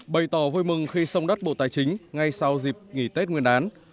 bày tỏ vui mừng khi sông đất bộ tài chính ngay sau dịp nghỉ tết nguyên đán